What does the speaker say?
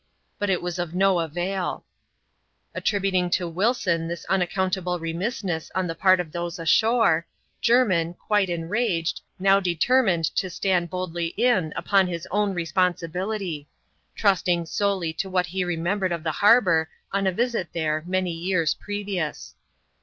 But it was of no avaiL Attributing to Wilson this unaccountable remissness on the part of those ashore, Jermin, quite enraged, now determined to stand boldly in upon his own responsibility ; trusting solely . to what he remembered of the harbour on a visit there many years previous.